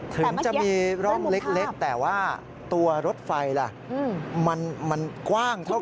ถึงจะมีร่องเล็กแต่ว่าตัวรถไฟล่ะมันกว้างเท่า